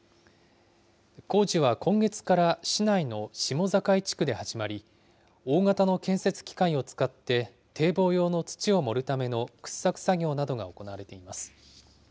工事は今月から市内の下境地区で始まり、大型の建設機械を使って堤防用の土を盛るための掘削作業などが行われています。